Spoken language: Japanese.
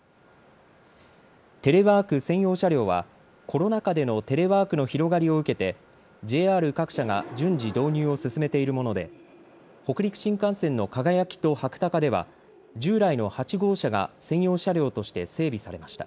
テレワーク専用車両はコロナ禍でのテレワークの広がりを受けてＪＲ各社が順次、導入を進めているもので北陸新幹線のかがやきとはくたかでは従来の８号車が専用車両として整備されました。